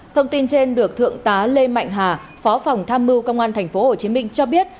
thông tin trên được thượng tá lê mạnh hà phó phòng tham mưu công an tp hcm cho biết